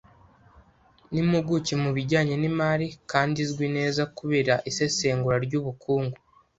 Ni impuguke mu bijyanye n’imari kandi izwi neza kubera isesengura ry’ubukungu.